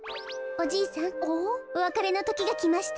おわかれのときがきました。